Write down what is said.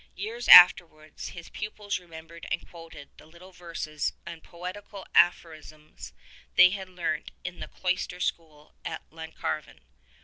Years afterwards his pupils remembered and quoted the little verses and poetical aphorisms they had learnt in the cloister school at Llancarvan.